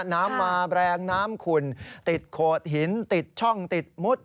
น้ำมาแรงน้ำขุ่นติดโขดหินติดช่องติดมุด